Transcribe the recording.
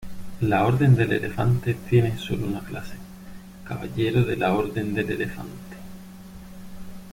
La orden del Elefante tiene sólo una clase: caballero de la Orden del Elefante.